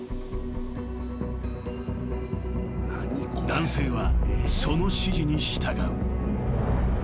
［男性はその指示に従う］